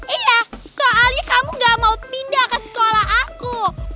iya soalnya kamu gak mau pindah ke sekolah aku